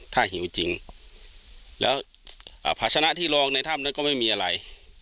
ถ้าหิวจริงแล้วภาชนะที่ลองในถ้ำนั้นก็ไม่มีอะไร